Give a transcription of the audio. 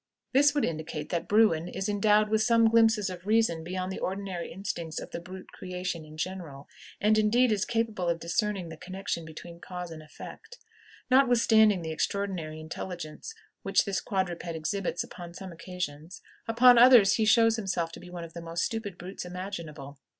This would indicate that Bruin is endowed with some glimpses of reason beyond the ordinary instincts of the brute creation in general, and, indeed, is capable of discerning the connection between cause and effect. Notwithstanding the extraordinary intelligence which this quadruped exhibits upon some occasions, upon others he shows himself to be one of the most stupid brutes imaginable.